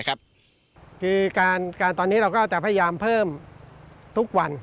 คือตอนนี้เราก็จะพยายามเพิ่มทุกวัน